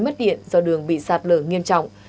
mất điện do đường bị sạt lở nghiêm trọng